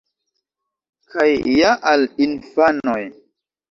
Kaj ja al infanoj!